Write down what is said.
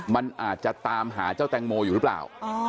มันอาจจะตามหาเจ้าแตงโมอยู่หรือเปล่า